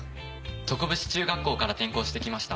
常節中学校から転校してきました